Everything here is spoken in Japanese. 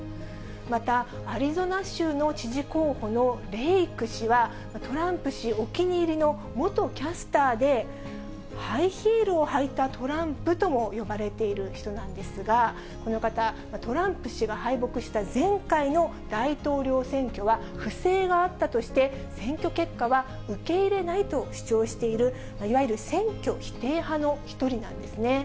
また、アリゾナ州の知事候補のレイク氏は、トランプ氏お気に入りの元キャスターで、ハイヒールを履いたトランプとも呼ばれている人なんですが、この方、トランプ氏が敗北した前回の大統領選挙は不正があったとして、選挙結果は受け入れないと主張している、いわゆる選挙否定派の１人なんですね。